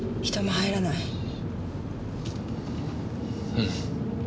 うん。